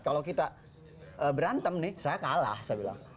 kalau kita berantem nih saya kalah saya bilang